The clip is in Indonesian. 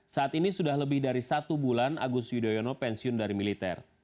saat ini sudah lebih dari satu bulan agus yudhoyono pensiun dari militer